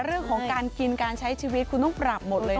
เรื่องของการกินการใช้ชีวิตคุณต้องปรับหมดเลย